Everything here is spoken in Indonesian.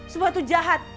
semua itu jahat